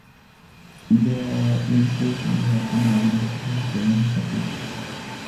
إِذَا أُلْقُوا فِيهَا سَمِعُوا لَهَا شَهِيقًا وَهِيَ تَفُورُ